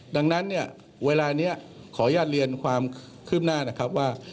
ดังนั้นเนี่ยเวลานี้ขออนุญาตเรียนความคืบหน้านะครับว่า